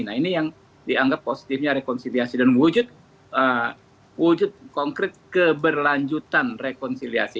nah ini yang dianggap positifnya rekonsiliasi dan wujud konkret keberlanjutan rekonsiliasi